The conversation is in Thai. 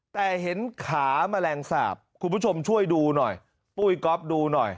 แต่เห็นขาแมลงสาปคุณผู้ชมช่วยดูหน่อยปุ้ยก๊อฟดูหน่อย